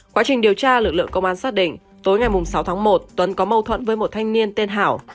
quá trình điều tra lực lượng công an xác định tối ngày sáu tháng một tuấn có mâu thuẫn với một thanh niên tên hảo